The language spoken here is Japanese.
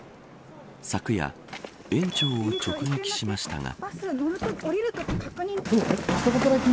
昨夜、園長を直撃しましたが。